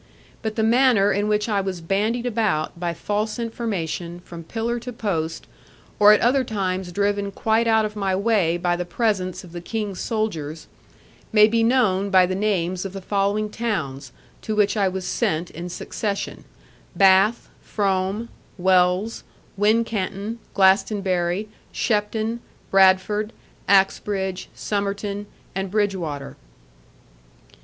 But the manner in which I was bandied about, by false information, from pillar to post, or at other times driven quite out of my way by the presence of the King's soldiers, may be known by the names of the following towns, to which I was sent in succession, Bath, Frome, Wells, Wincanton, Glastonbury, Shepton, Bradford, Axbridge, Somerton, and Bridgwater.